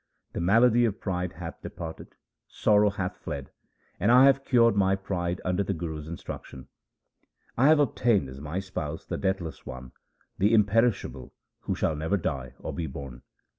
The malady of pride hath departed, sorrow hath fled, and I have cured my pride under the Guru's instruc tion. I have obtained as my spouse the Deathless One, the Imperishable, who shall never die or be born.